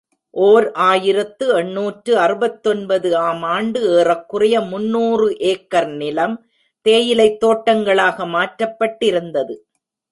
ஓர் ஆயிரத்து எண்ணூற்று அறுபத்தொன்பது ஆம் ஆண்டு ஏறக்குறைய முன்னூறு ஏகர் நிலம் தேயிலைத் தோட்டங்களாக மாற்றப்பட்டிருந்தது.